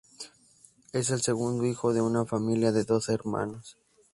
Es el segundo hijo de una familia de doce hermanos.